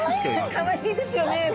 かわいいですよね。